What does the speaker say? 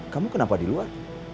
kamu kenapa di luar